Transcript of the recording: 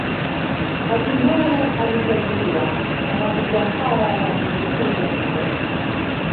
hatimaye alisajiliwa na mabingwa hao wa Ligi Kuu ya Tanzania